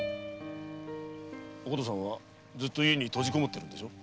お琴さんはずっと家にとじこもってるんでしょう？